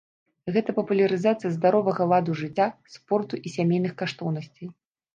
Гэта папулярызацыя здаровага ладу жыцця, спорту і сямейных каштоўнасцяў.